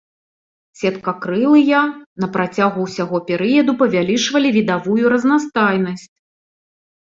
Сеткакрылыя на працягу ўсяго перыяду павялічвалі відавую разнастайнасць.